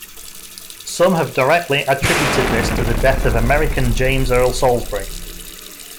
Some have directly attributed this to the death of American James Earl Salisbury.